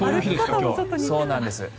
そうなんです。